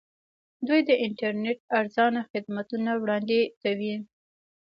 دوی د انټرنیټ ارزانه خدمتونه وړاندې کوي.